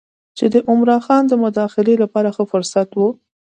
چې د عمرا خان د مداخلې لپاره ښه فرصت و.